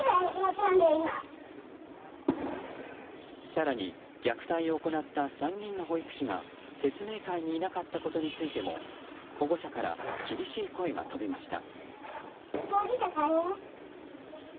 更に虐待を行った３人の保育士が、説明会にいなかったことについても保護者から厳しい声が飛びました。